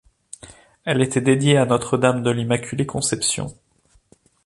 Elle était dédiée à Notre Dame de l'Immaculée Conception.